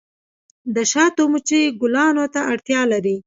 د شاتو مچۍ ګلانو ته اړتیا لري